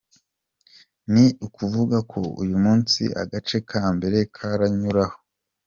Ni ukuvuga ko uyu munsi agace ka mbere karanyuraho.